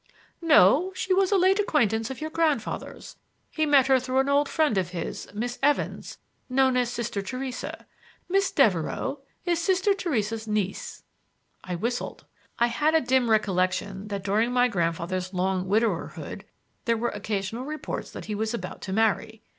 "No; she was a late acquaintance of your grandfather's. He met her through an old friend of his,— Miss Evans, known as Sister Theresa. Miss Devereux is Sister Theresa's niece." I whistled. I had a dim recollection that during my grandfather's long widowerhood there were occasional reports that he was about to marry.